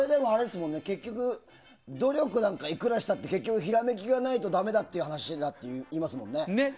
結局、努力なんかいくらしても結局ひらめきがないとダメだっていう話ともいいますもんね。